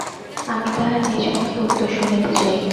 আমি তাঁহার নিজমুখে উত্তর শুনিতে চাই।